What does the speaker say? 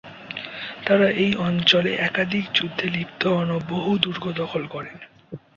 তারা এই অঞ্চলে একাধিক যুদ্ধে লিপ্ত হন ও বহু দুর্গ দখল করেন।